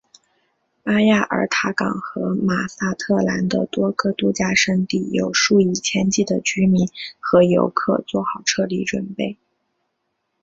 巴亚尔塔港和马萨特兰的多个度假胜地有数以千计的居民和游客做好撤离准备。